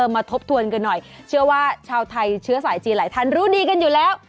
ทบทวนกันหน่อยเชื่อว่าชาวไทยเชื้อสายจีนหลายท่านรู้ดีกันอยู่แล้ว